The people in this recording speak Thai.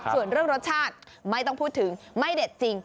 ส่วนเรื่องรสชาติไม่ต้องพูดถึงไม่เด็ดจริง